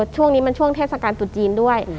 ช่วงนี้มันช่วงเทศกาลตรุษจีนด้วย